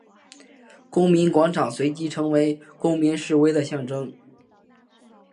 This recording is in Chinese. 公民广场随即成为公民示威的象征。